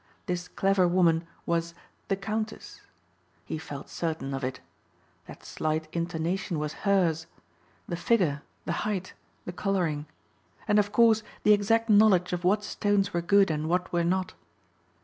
This clever woman was "The Countess." He felt certain of it. That slight intonation was hers. The figure, the height, the coloring. And of course the exact knowledge of what stones were good and what were not.